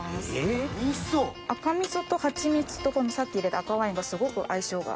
赤味噌とハチミツとさっき入れた赤ワインがすごく相性が。